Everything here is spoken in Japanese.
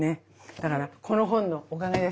だからこの本のおかげです